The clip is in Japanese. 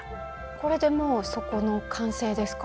これでもう底の完成ですか？